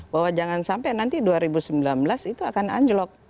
bahwa jangan sampai nanti dua ribu sembilan belas itu akan anjlok